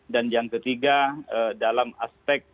dan yang ketiga dalam aspek ponisi